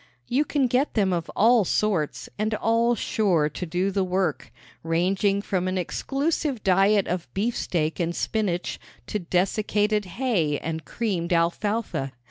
You can get them of all sorts and all sure to do the work, ranging from an exclusive diet of beefsteak and spinach to desiccated hay and creamed alfalfa.